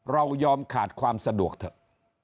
เรายอมขาดความสะดวกเถอะ